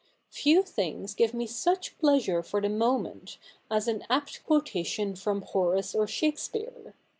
Few things give me such pleasure for the moment as an apt quotation from Horace or Shakespeare.